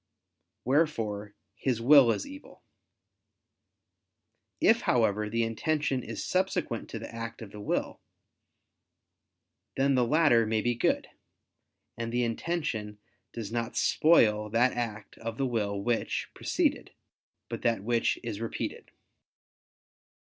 Wherefore his will is evil. If, however, the intention is subsequent to the act of the will, then the latter may be good: and the intention does not spoil that act of the will which preceded, but that which is repeated.